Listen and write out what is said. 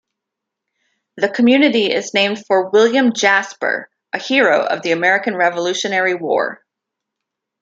The community is named for William Jasper, a hero of the American Revolutionary War.